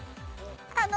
あの。